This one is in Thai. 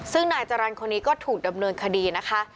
ซึ่งนายจรรย์คนนี้ก็ถูกดำเนินคดีนะคะ